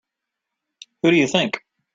Who do you think?